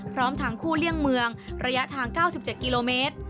พร้อมทางคู่เลี่ยงเมืองระยะทาง๙๗กิโลเมตร